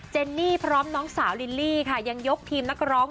เนนี่พร้อมน้องสาวลิลลี่ค่ะยังยกทีมนักร้อง